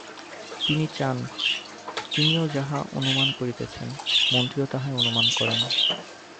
তিনি চান, তিনিও যাহা অনুমান করিতেছেন, মন্ত্রীও তাহাই অনুমান করেন।